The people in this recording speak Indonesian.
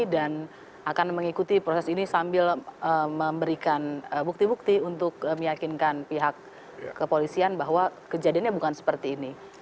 dan akan mengikuti proses ini sambil memberikan bukti bukti untuk meyakinkan pihak kepolisian bahwa kejadiannya bukan seperti ini